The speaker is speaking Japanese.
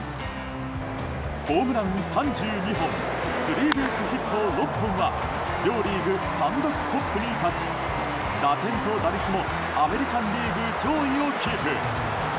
ホームラン３２本スリーベースヒット６本は両リーグ単独トップに立ち打点と打率もアメリカン・リーグ上位をキープ。